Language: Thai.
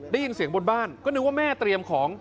ได้ยินเสียงบนบ้านก็นึกว่าแม่เตรียมของ